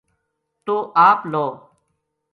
توہ آپ لہو‘‘